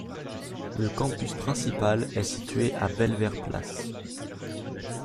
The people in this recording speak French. Le campus principal est situé à Belevere place.